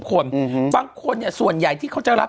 สุริยาจันทราทองเป็นหนังกลางแปลงในบริษัทอะไรนะครับ